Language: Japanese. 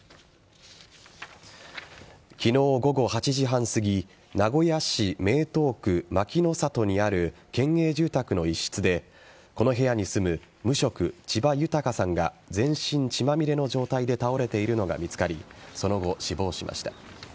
昨日午後８時半すぎ名古屋市名東区牧の里にある県営住宅の一室でこの部屋に住む無職・千葉豊さんが全身血まみれの状態で倒れているのが見つかりその後、死亡しました。